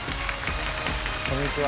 こんにちは。